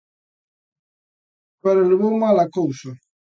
Pero levou mal a cousa.